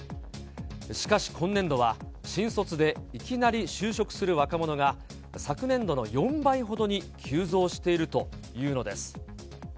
しかし今年度は、新卒でいきなり就職する若者が、昨年度の４倍ほどに急増しているというのです。